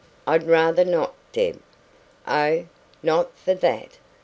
"I'd rather not, Deb " "Oh, not for THAT!